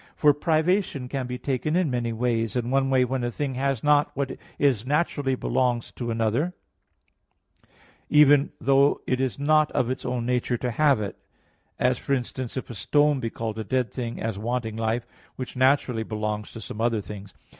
For privation can be taken in many ways; in one way when a thing has not what is naturally belongs to another, even though it is not of its own nature to have it; as, for instance, if a stone be called a dead thing, as wanting life, which naturally belongs to some other things.